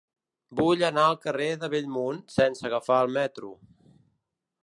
Vull anar al carrer de Bellmunt sense agafar el metro.